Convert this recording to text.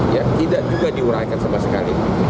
ya tidak juga diuraikan sama sekali